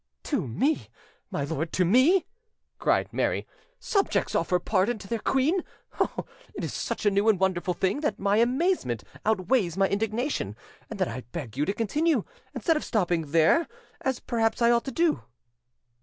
"To me, my lord, to me!" cried Mary: "subjects offer pardon to their queen! Oh! it is such a new and wonderful thing, that my amazement outweighs my indignation, and that I beg you to continue, instead of stopping you there, as perhaps I ought to do."